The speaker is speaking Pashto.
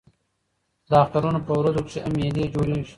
د اخترونو په ورځو کښي هم مېلې جوړېږي.